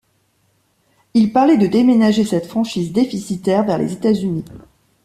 Ils parlaient de déménager cette franchise déficitaire vers les États-Unis.